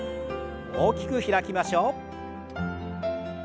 大きく開きましょう。